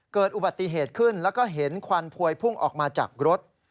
เกิดอุบัติเหตุขึ้นแล้วก็เห็นควันพวยพุ่งออกมาจากรถ